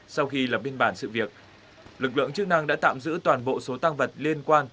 sau khi lập biên bản sự việc lực lượng chức năng đã tạm giữ toàn bộ số tăng vật liên quan